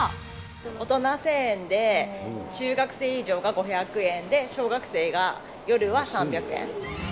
大人１０００円で、中学生以上が５００円で、小学生が夜は３００円。